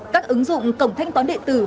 các ứng dụng cộng thanh toán điện tử